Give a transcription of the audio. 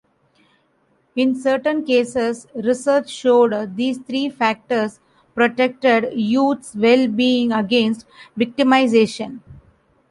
In certain cases, research showed these three factors protected youth's well being against victimization.